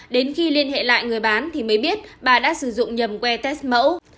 đến khi liên hệ lại người bán thì mới biết bà đã sử dụng nhầm we test mẫu